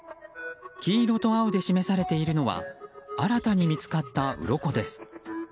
黄色と青で示されているのは新たに見つかった、うろこです。